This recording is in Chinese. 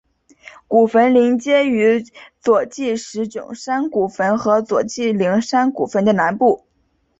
古坟邻接于佐纪石冢山古坟和佐纪陵山古坟的南部。